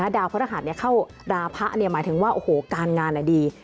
ดาวพระรหัสเข้าราพะหมายถึงว่าโอ้โหการงานดี